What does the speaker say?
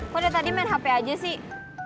kalau dari tadi main hp aja sih